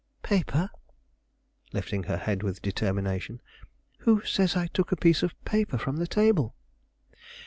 "Paper?" lifting her head with determination. "Who says I took a piece of paper from the table?"